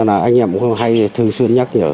anh em cũng hay thường xuyên nhắc nhở